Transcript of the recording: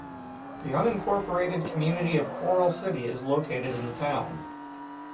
The unincorporated community of Coral City is located in the town.